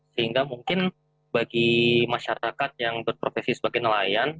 sehingga mungkin bagi masyarakat yang berprofesi sebagai nelayan